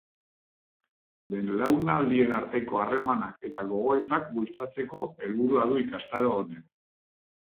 Belaunaldien arteko harremanak eta gogoetak bultzatzeko helburua du ikastaro honek.